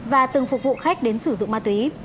và từng phục vụ khách đến sử dụng ma túy